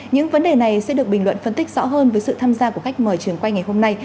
những vấn đề này sẽ được bình luận phân tích rõ hơn với sự tham gia của khách mời trường quay ngày hôm nay